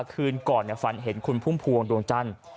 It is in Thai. คืนก่อนฝันเห็นคุณพุ่มพวงดวงจันทร์